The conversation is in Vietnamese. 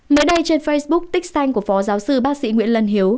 mới đây trên facebook tích xanh của phó giáo sư bác sĩ nguyễn lân hiếu